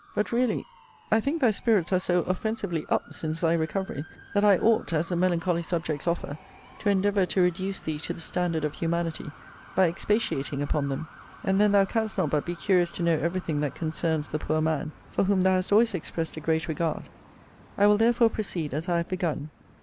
But really, I think thy spirits are so offensively up since thy recovery, that I ought, as the melancholy subjects offer, to endeavour to reduce thee to the standard of humanity, by expatiating upon them. And then thou canst not but be curious to know every thing that concerns the poor man, for whom thou hast always expressed a great regard. I will therefore proceed as I have begun.